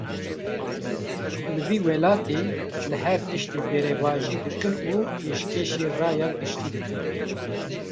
Li vî welatî, her tiştî berevajî dikin û pêşkêşî raya giştî dikin